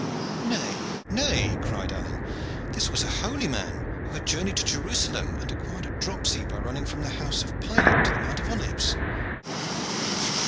"Nay, nay," cried Alleyne, "this was a holy man who had journeyed to Jerusalem, and acquired a dropsy by running from the house of Pilate to the Mount of Olives."